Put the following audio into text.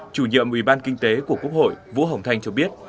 chủ nhiệm ủy ban kinh tế của quốc hội vũ hồng thanh cho biết